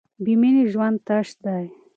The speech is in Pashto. بې مینې ژوند تش دی.